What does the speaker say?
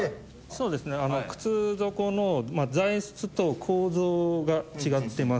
そうですね靴底の材質と構造が違ってます。